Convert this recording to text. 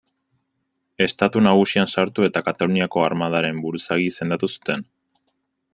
Estatu Nagusian sartu eta Kataluniako armadaren buruzagi izendatu zuten.